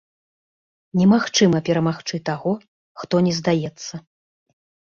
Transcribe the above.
Немагчыма перамагчы таго, хто не здаецца!